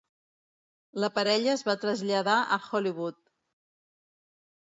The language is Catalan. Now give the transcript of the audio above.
La parella es va traslladar a Hollywood.